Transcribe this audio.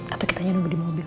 atau kitanya nunggu di mobil